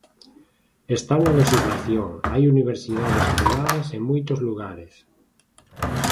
Está na lexislación, hai universidades privadas en moitos lugares.